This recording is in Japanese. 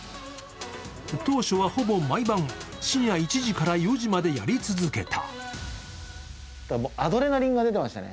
当初はほぼ毎晩、深夜１時から４時までやり続けた。